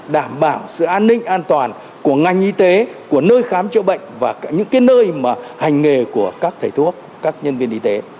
đảm bảo sự an ninh an toàn của ngành y tế của nơi khám chữa bệnh và những nơi mà hành nghề của các thầy thuốc các nhân viên y tế